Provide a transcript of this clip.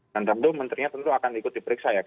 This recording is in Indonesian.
dan tentu menterinya akan ikut diperiksa